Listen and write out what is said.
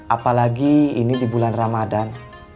apalagi ini di bulan ramadan